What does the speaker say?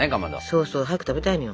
そうそう早く食べたいのよ。